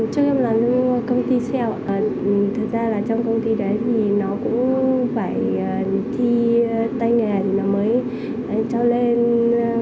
trước em làm công ty xeo thật ra trong công ty đấy thì nó cũng phải thi tay nghề mới cho lên